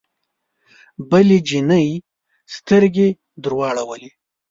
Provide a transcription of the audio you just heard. بلې جینۍ سترګې درواړولې